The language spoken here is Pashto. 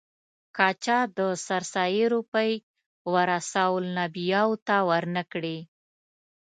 که چا د سرسایې روپۍ ورثه الانبیاوو ته ور نه کړې.